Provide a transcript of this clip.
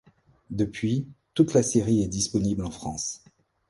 Depuis, toute la série est disponible en France.